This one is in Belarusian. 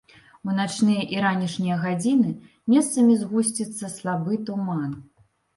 У начныя і ранішнія гадзіны месцамі згусціцца слабы туман.